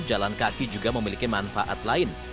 jalan kaki juga memiliki manfaat lain